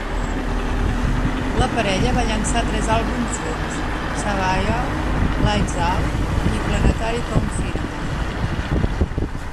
La parella va llançar tres àlbums junts: Saviour, Lights Out i Planetary Confinement.